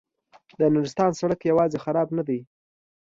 د نورستان سړک یوازې خراب نه دی.